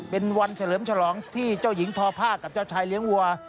เป็นวันเฉลิมฉลองที่เจ้าหญิงทอผ้ากับเจ้าชายเลี้ยงวัว